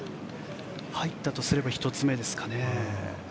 入ったとすれば１つ目ですかね。